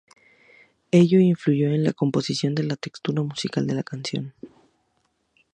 Ello influyó en la composición de la textura musical de la canción.